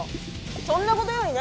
そんなことよりね